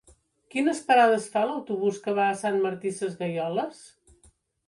Quines parades fa l'autobús que va a Sant Martí Sesgueioles?